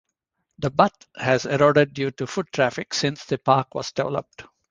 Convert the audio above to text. The butte has eroded due to foot traffic since the park was developed.